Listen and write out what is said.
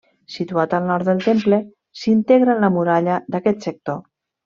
Situat al nord del temple, s'integra en la muralla d'aquest sector.